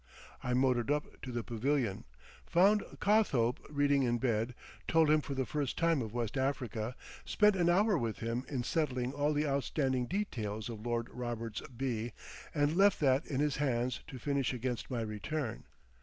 I motored up to the pavilion, found Cothope reading in bed, told him for the first time of West Africa, spent an hour with him in settling all the outstanding details of Lord Roberts β, and left that in his hands to finish against my return.